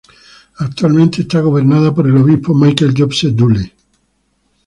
Actualmente está gobernada por el obispo Michael Joseph Dooley.